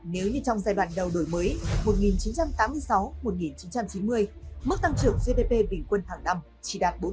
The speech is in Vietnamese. nếu như trong giai đoạn đầu đổi mới một nghìn chín trăm tám mươi sáu một nghìn chín trăm chín mươi mức tăng trưởng gdp bình quân hàng năm chỉ đạt bốn